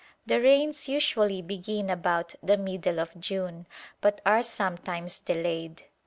The rains usually begin about the middle of June, but are sometimes delayed.